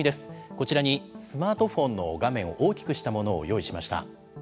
こちらにスマートフォンの画面を大きくしたものを用意しました。